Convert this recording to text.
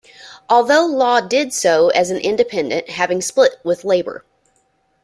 Although Law did so as an independent having split with Labour.